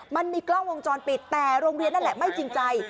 มันมีกล้องวงจรปิดแต่โรงเรียนนั่นแหละไม่จริงใจ